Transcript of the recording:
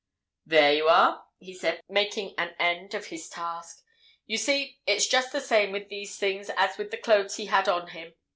"There you are!" he said, making an end of his task. "You see, it's just the same with these things as with the clothes he had on him.